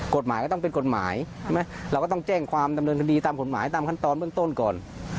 กฎหมายก็ต้องเป็นกฎหมายใช่ไหมเราก็ต้องแจ้งความดำเนินคดีตามกฎหมายตามขั้นตอนเบื้องต้นก่อน